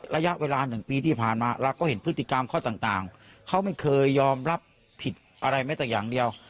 ระยะเวลา๑ปีที่ผ่านมาเราก็เห็นพฤติกรรมข้อต่างเขาไม่เคยยอมรับผิดอะไรแม้แต่อย่างเดียว